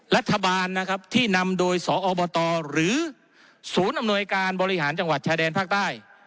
รัฐบาลนะครับที่นำโดยสอบตหรือศูนย์อำนวยการบริหารจังหวัดชายแดนภาคใต้